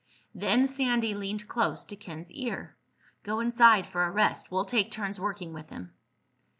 Then Sandy leaned close to Ken's ear. "Go inside for a rest. We'll take turns working with him."